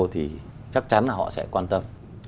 thì chắc chắn là họ sẽ quan tâm